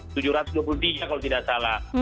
tujuh ratus dua puluh tiga kalau tidak salah